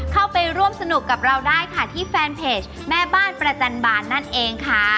เข้าไปร่วมสนุกกับเราได้ค่ะที่แฟนเพจแม่บ้านประจันบาลนั่นเองค่ะ